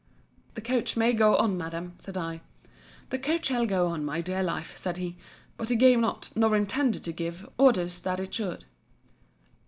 The coach may go on, Madam, said I. The coach shall go on, my dear life, said he.—But he gave not, nor intended to give, orders that it should.